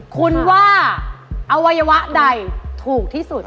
คุณว่าอวัยวะใดถูกที่สุด